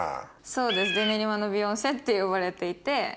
そうです練馬のビヨンセって呼ばれていて。